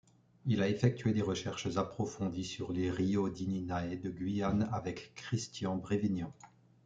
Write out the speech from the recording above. Il a effectué des recherches approfondies sur les Riodininae de Guyane avec Christian Brévignon.